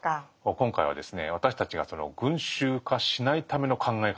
今回はですね私たちが群衆化しないための考え方